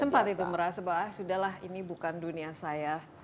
sempat itu merasa bahwa sudah lah ini bukan dunia saya